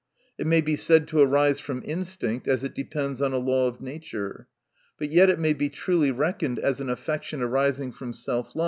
It may be said to arise from instinct, as it depends on a law of nature. But yet it may be truly reckoned as an affection arising from self.